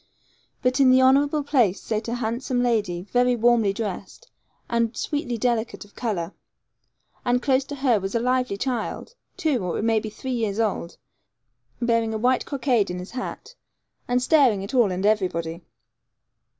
But in the honourable place sate a handsome lady, very warmly dressed, and sweetly delicate of colour. And close to her was a lively child, two or it may be three years old, bearing a white cockade in his hat, and staring at all and everybody.